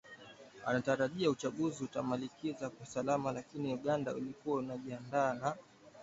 anatarajia uchaguzi utamalizika kwa salama lakini Uganda ilikuwa inajiandaa na